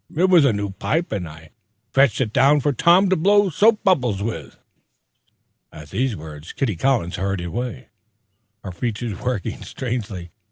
It was a new pipe. I fetched it down for Tom to blow soap bubbles with." At these words Kitty Collins hurried away, her features working strangely.